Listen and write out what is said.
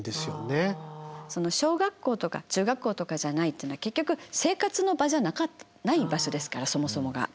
その小学校とか中学校とかじゃないっていうのは結局生活の場じゃなかったない場所ですからそもそもが。